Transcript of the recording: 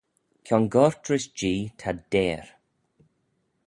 Kiongoyrt rish Jee t 'ad deyr.